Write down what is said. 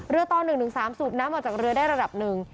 ต่อ๑๓สูบน้ำออกจากเรือได้ระดับหนึ่ง